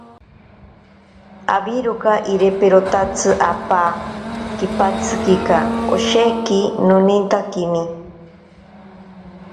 Awiroka iriperotatsi apaa kipatsikika, osheki nonintakime.